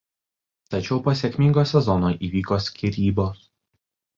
Tačiau po sėkmingo sezono įvyko skyrybos.